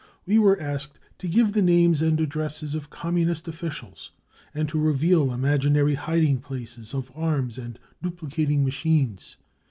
We were asked to give the names and addresses of Communist officials, and to reveal imaginary hiding places of arms and duplicating machines.